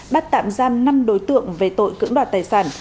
bắt tạm giam năm đối tượng về tội cưỡng đoạt tài sản